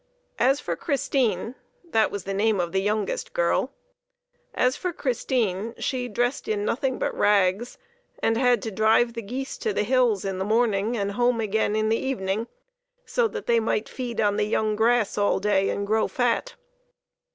As for Christine that was the name of the youngest girl as for Christine, she dressed in nothing but rags, and had to drive the geese to the hills in the morning and home again in the evening, so that they might feed on the young grass all day and grow fat.